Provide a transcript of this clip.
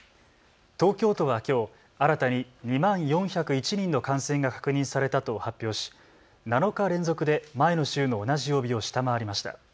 東京都はきょう新たに２万４０１人の感染が確認されたと発表し、７日連続で前の週の同じ曜日を下回りました。